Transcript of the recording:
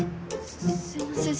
すすいません。